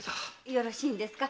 よろしいんですか？